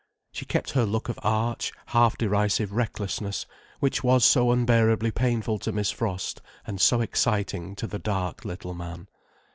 She kept her look of arch, half derisive recklessness, which was so unbearably painful to Miss Frost, and so exciting to the dark little man.